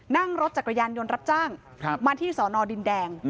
นั่งรถจักรยานยนต์รับจ้างมาที่สอนอดินแดง